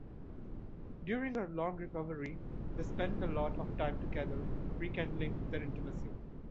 During her long recovery, they spend a lot of time together, rekindling their intimacy.